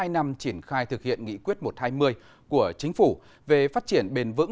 hai năm triển khai thực hiện nghị quyết một trăm hai mươi của chính phủ về phát triển bền vững